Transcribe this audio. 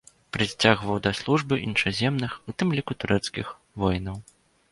Прыцягваў да службы іншаземных, у тым ліку турэцкіх, воінаў.